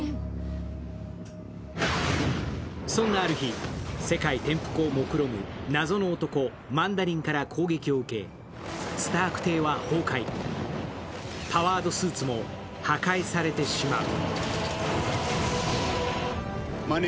そんなある日、世界転覆をもくろむ謎の男、マンダリンから攻撃を受け、スターク邸は崩壊、パワードスーツも破壊されてしまう。